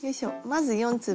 まず４粒。